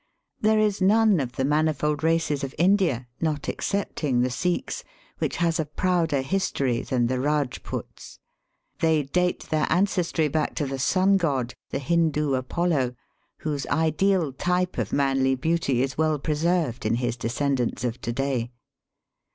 There is none of the manifold races of India, not excepting the Sikhs, which has u prouder history than the Kajputs. They date their ancestry back to the Sun god, the Hindoo Apollo, whose ideal type of jnanly beauty is well preserved in his descendants of to day.